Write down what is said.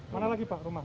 mana lagi pak rumah